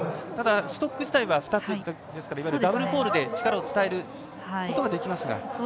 ただ、ストック自体は２ついわゆるダブルポールで力を伝えることはできますが。